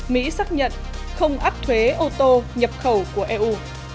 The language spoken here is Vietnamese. mỹ xác nhận không áp thuế ô tô nhập khẩu của eu